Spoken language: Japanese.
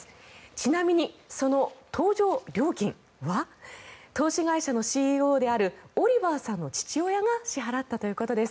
ちなみにその搭乗料金は投資会社のＣＥＯであるオリバーさんの父親が支払ったということです。